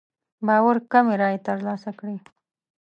باور کمې رايې تر لاسه کړې.